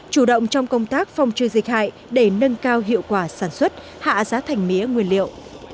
chủ động trong công tác phòng trừ dịch hại để nâng cao hiệu quả sản xuất hạ giá thành mía nguyên liệu